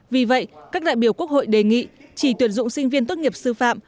vì vậy các đại biểu quốc hội đề nghị chỉ tuyển dụng sinh viên tốt nghiệp sư phạm